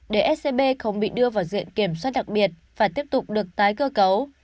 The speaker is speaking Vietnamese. để scb không bị đưa vào diện kiểm soát đặc biệt phải tiếp tục được tái cơ cấu